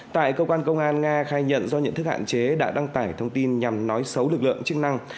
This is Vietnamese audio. tại cơ quan công an nga khai nhận do nhận thức hạn chế đã đăng tải thông tin nhằm nói xấu lực lượng chức năng